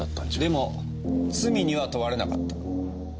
でも罪には問われなかった。